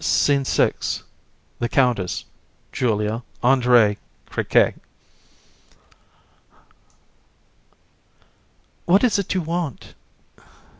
SCENE VI. THE COUNTESS, JULIA, ANDRÉE, CRIQUET. CRI. What is it you want?